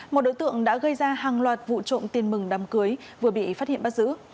một đối tượng đã gây ra hàng loạt vụ trộm tiền mừng đám cưới vừa bị phát hiện bắt giữ